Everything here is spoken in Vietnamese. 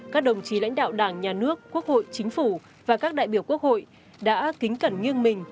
các đồng chí lãnh đạo đảng nhà nước quốc hội chính phủ và các đại biểu quốc hội đã kính cẩn nghiêng mình